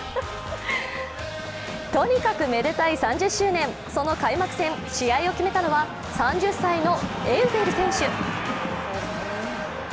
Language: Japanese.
とにかくめでたい３０周年、その開幕戦、試合を決めたのは３０歳のエウベル選手。